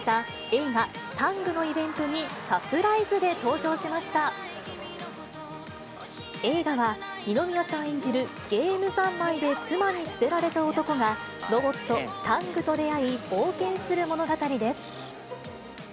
映画は、二宮さん演じる、ゲーム三昧で妻に捨てられた男が、ロボット、タングと出会い、冒険する物語です。